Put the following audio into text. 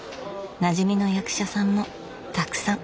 なじみの役者さんもたくさん。